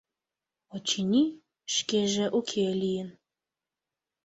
Очыни, шкеже уке лийын.